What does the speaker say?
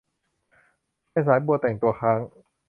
แม่สายบัวแต่งตัวค้าง